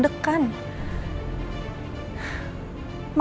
aku panik banget ma aku deg degan